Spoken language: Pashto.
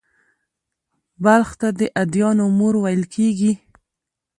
بلخ ته «د ادیانو مور» ویل کېږي